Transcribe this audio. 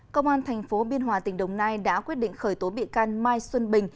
công an tp biên hòa tỉnh đồng nai đã quyết định khởi tố bị can mai xuân bình